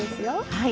はい。